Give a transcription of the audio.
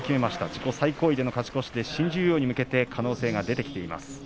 自己最高位での勝ち越し新十両に向けて可能性が出てきました。